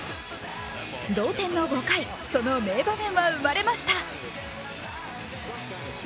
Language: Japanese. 同点の５回、その名場面は生まれました。